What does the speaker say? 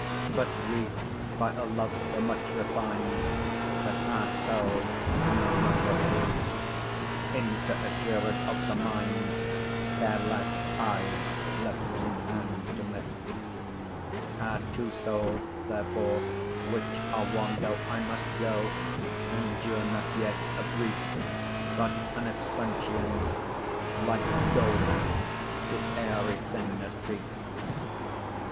But we by a love, so much refin'd, That our selves know not what it is, Inter assured of the mind, Care lesse, eyes, lips, and hands to misse. 20 Our two soules therefore, which are one, Though I must goe, endure not yet A breach, but an expansion, Like gold to ayery thinnesse beate.